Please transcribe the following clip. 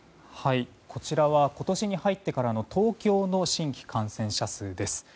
こちらは今年に入ってからの東京の新規感染者数です。